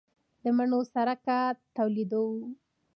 د مڼو سرکه تولیدوو؟